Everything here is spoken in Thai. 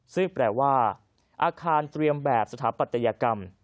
ซึ่งแปลว่าอาคารเตรียมแบบสถาปัตยกรรม